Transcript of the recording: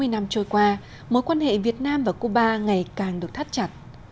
sáu mươi năm trôi qua mối quan hệ việt nam và cuba ngày càng được thắt chặt